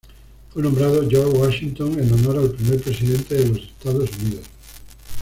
Fue nombrado George Washington, en honor al primer presidente de los Estados Unidos.